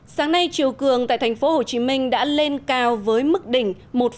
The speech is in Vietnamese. sáng nay chiều cường tại thành phố hồ chí minh đã lên cao với mức đỉnh một sáu mươi ba